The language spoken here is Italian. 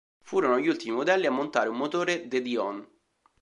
Furono gli ultimi modelli a montare un motore De Dion.